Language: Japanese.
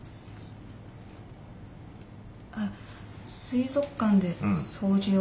水族館で掃除を。